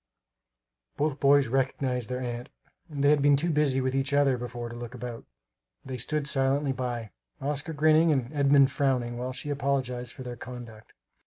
Both boys recognized their aunt; they had been too busy with each other before to look about. They stood silently by, Oscar grinning and Edmund frowning, while she apologized for their conduct.